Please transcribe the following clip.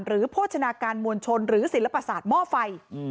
โภชนาการมวลชนหรือศิลปศาสตร์หม้อไฟ